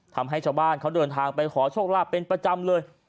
ทำให้ชาวบ้านเขาเดินทางไปขอโชคลาภเป็นประจำเลย